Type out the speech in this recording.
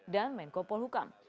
dan menko polhukam